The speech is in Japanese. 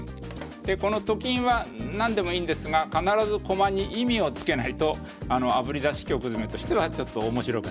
でこのと金は何でもいいんですが必ず駒に意味をつけないとあぶり出し曲詰としてはちょっと面白くない。